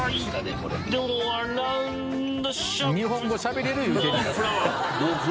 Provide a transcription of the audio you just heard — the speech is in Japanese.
日本語しゃべれる言うてんねん。